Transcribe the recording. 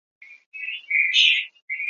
与其相对的是呼气音。